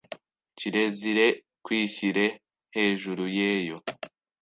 kirezire kwishyire hejuru yeyo